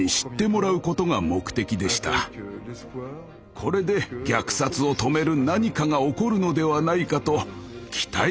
これで虐殺を止める何かが起こるのではないかと期待したのです。